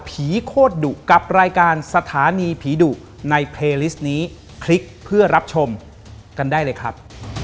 โปรดติดตามตอนต่อไป